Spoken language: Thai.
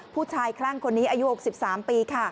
ผู้ชายคลั่งคนนี้อายุ๖๓ปี